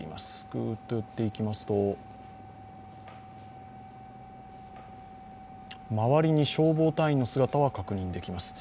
ぐーっと寄っていきますと周りに消防隊員の姿が確認できます。